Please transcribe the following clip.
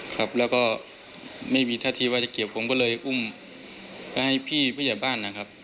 ครับแล้วก็ไม่มีท่าทีว่าจะเกี่ยวผมก็เลยอุ้มไปให้พี่ผู้ใหญ่บ้านนะครับ